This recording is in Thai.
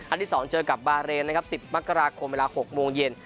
อันที่๒เจอกับบาร์เรน๑๐มค๖โมงเย็น